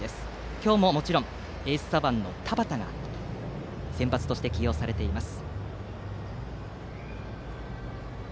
今日も、もちろんエース左腕の田端が先発として起用されています。